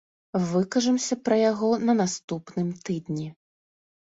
Выкажамся пра яго на наступным тыдні!